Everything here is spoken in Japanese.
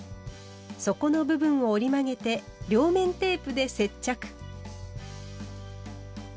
底の部分を折り曲げて両面テープで接着。